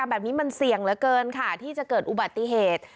แบบนี้มันเสี่ยงเหลือเกินค่ะที่จะเกิดอุบัติเหตุ